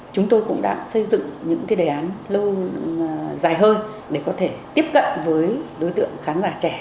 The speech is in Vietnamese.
chúng tôi cũng đã xây dựng những đề án lâu dài hơn để có thể tiếp cận với đối tượng khán giả trẻ